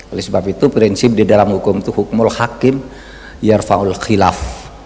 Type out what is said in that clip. oleh sebab itu prinsip di dalam hukum itu hukmul hakim yearfaul ⁇ khilaf